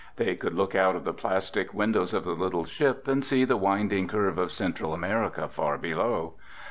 They could look out of the plastic windows of the little ship and see the winding curve of Central America far below.